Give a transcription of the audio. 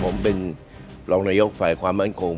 ผมเป็นรองนายกฝ่ายความมั่นคง